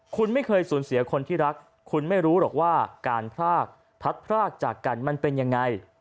คุณไม่เคยสูญเสียคนที่รักคุณไม่รู้หรอกว่าการพรากพัดพรากจากกันมันเป็นยังไง